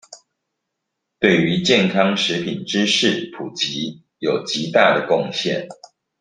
對於健康食品知識普及有極大的貢獻